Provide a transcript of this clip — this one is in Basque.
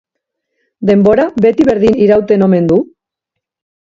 Denbora beti berdin irauten omen du?